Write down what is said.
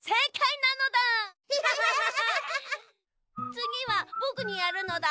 つぎはぼくにやるのだ。